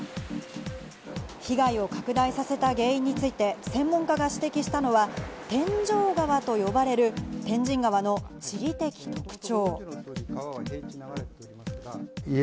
被害を拡大させた原因について専門家が指摘したのは、天井川と呼ばれる天神川の地理的特徴。